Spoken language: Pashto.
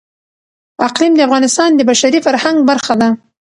اقلیم د افغانستان د بشري فرهنګ برخه ده.